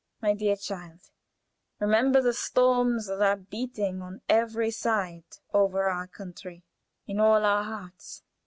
My dear child, remember the storms that are beating on every side over our country, in on our hearts.